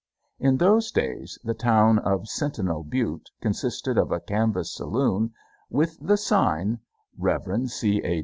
In those days the town of Sentinel Butte consisted of a canvas saloon with the sign: Rev. C. A.